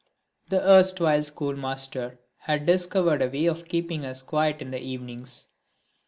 This erstwhile schoolmaster had discovered a way of keeping us quiet in the evenings.